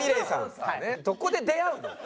どこで出会うの？